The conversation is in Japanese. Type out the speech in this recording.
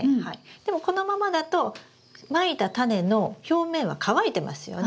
でもこのままだとまいたタネの表面は乾いてますよね。